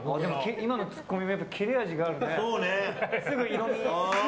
今のツッコミも切れ味があるね。